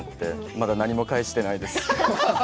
まだ何も返してないです。